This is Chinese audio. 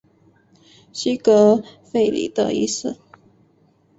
西格弗里德一世。